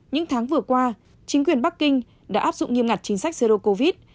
những tháng vừa qua chính quyền bắc kinh đã áp dụng nghiêm ngặt chính sách zero covid